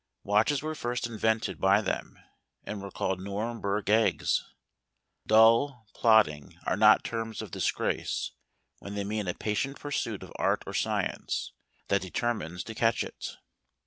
Watches were first invented by them, and were called Nuremberg eggs. Dull, plodding, are not terms of disgrace, when they mean a patient pursuit of art or science, that de¬ termines to catch it.